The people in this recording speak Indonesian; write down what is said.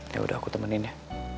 yaudah aku temenin ya